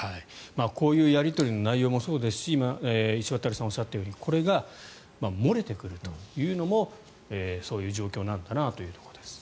こういうやり取りの内容もそうですし今、石渡さんがおっしゃったようにこれが漏れてくるというのもそういう状況なんだなというところです。